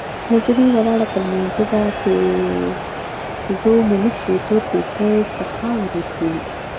نجلۍ ولاړه په لمانځه ده پېرزو مې نشي تور پيکی په خاورو ږدينه